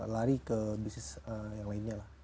lari ke bisnis yang lainnya lah